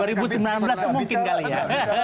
dua ribu sembilan belas mungkin kali ya